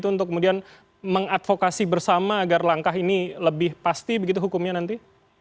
untuk kemudian mengadvokasi bersama agar langkah ini lebih pasti begitu hukumnya nanti